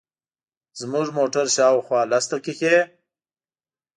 زموږ موټر شاوخوا لس دقیقې.